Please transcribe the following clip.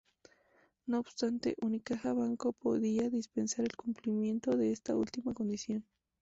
No obstante, Unicaja Banco podía dispensar el cumplimiento de esta última condición.